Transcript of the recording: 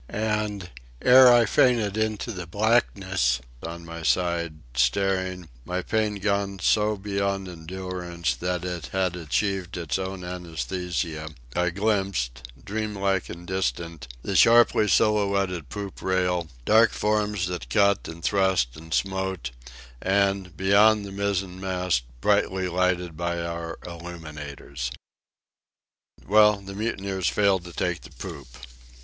And, ere I fainted into the blackness, on my side, staring, my pain gone so beyond endurance that it had achieved its own anæsthesia, I glimpsed, dream like and distant, the sharply silhouetted poop rail, dark forms that cut and thrust and smote, and, beyond, the mizzen mast brightly lighted by our illuminators. Well, the mutineers failed to take the poop.